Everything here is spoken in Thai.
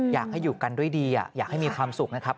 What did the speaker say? อยากให้อยู่กันด้วยดีอยากให้มีความสุขนะครับ